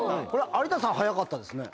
有田さん早かったですね。